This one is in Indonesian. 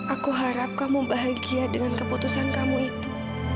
aku harap kamu bahagia dengan keputusan kamu itu